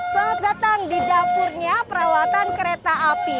selamat datang di dapurnya perawatan kereta api